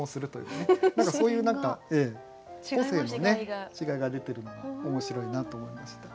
何かそういう個性の違いが出てるのが面白いなと思いました。